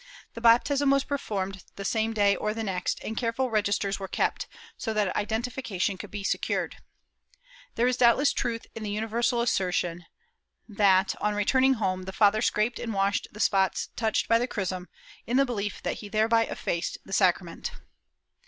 The baptism was performed the same day or the next, and careful registers were kept, so that identification could be secured. There is doubtless truth in the universal assertion that, on returning home, the father scraped and washed the spots touched by the chrism, in the belief that he thereby effaced the sacrament.